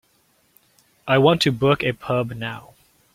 I want to book a pub now.